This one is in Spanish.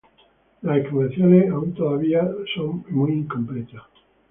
Las excavaciones son todavía muy incompletas.